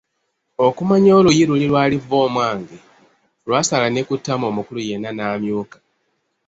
Okumanya oluyi luli lwali'vvoomwange', lwasala ne ku ttama omukulu yenna n’amyuka.